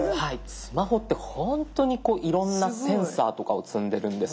スマホってほんとにこういろんなセンサーとかを積んでるんです。